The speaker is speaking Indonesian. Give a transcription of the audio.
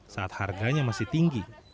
saat harganya masih tinggi